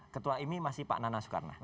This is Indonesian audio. ketua imi masih pak nana soekarno